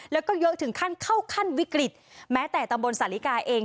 แล้วก็เยอะถึงขั้นเข้าขั้นวิกฤตแม้แต่ตำบลสาลิกาเอง